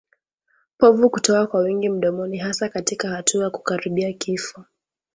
Povu kutoka kwa wingi mdomoni hasa katika hatua ya kukaribia kifo